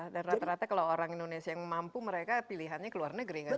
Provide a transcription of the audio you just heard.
dan rata rata kalau orang indonesia yang mampu mereka pilihannya ke luar negeri kan justru